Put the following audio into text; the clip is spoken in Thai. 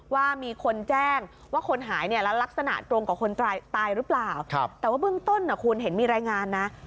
ว่ามีคนแจ้งว่าคนหายเนี่ยแล้วลักษณะตรงกับคนตายหรือเปล่าแต่ว่าเบื้องต้นนะคุณเห็นมีรายงานนะ